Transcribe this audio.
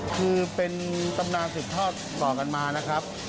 คือเป็นตำนานสืบทอดต่อกันมานะครับ